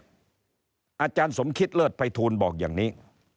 อาจารย์สมคิตเลิศภัยทูลบอกอย่างนี้